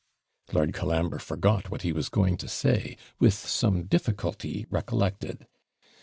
Lord Colambre forgot what he was going to say with some difficulty recollected.